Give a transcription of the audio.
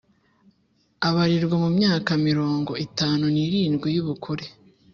abarirwa mu myaka mirongo itanu n’irindwi y’ubukure.